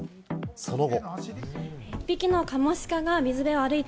その後。